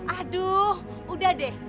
aduh udah deh